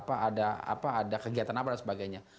apa ada kegiatan apa dan sebagainya